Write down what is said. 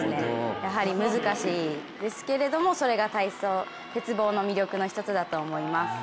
やはり難しいんですけれどもそれが体操鉄棒の魅力の一つだと思います。